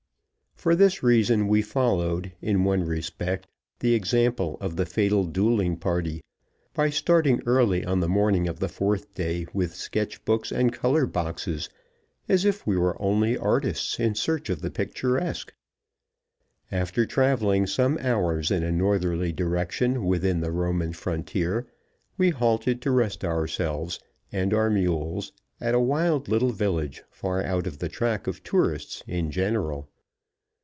For this reason we followed, in one respect, the example of the fatal dueling party, by starting, early on the morning of the fourth day, with sketch books and color boxes, as if we were only artists in search of the picturesque. After traveling some hours in a northerly direction within the Roman frontier, we halted to rest ourselves and our mules at a wild little village far out of the track of tourists in general.